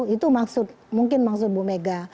itu maksud mungkin maksud bu mega